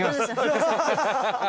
ハハハハ！